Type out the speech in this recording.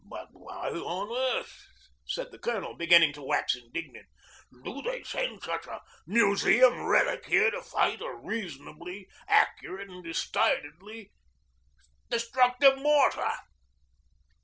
'But why on earth,' said the Colonel, beginning to wax indignant, 'do they send such a museum relic here to fight a reasonably accurate and decidedly destructive mortar?'